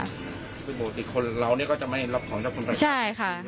บวชิคคลเราก็จะไม่รับรับของจัดคุณแปลงไว้ใช่ไหมครับ